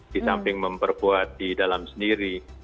di samping memperkuat di dalam sendiri